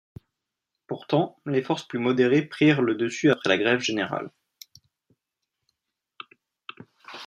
Pourtant, les forces plus modérées prirent le dessus après la grève générale.